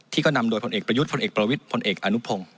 ก็นำโดยพลเอกประยุทธ์พลเอกประวิทธพลเอกอนุพงศ์